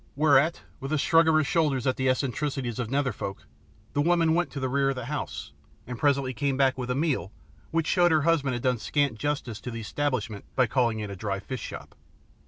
Whereat, with a shrug of her shoulders at the eccentricities of nether folk, the woman went to the rear of the house, and presently came back with a meal which showed her husband had done scant justice to the establishment by calling it a dry fish shop.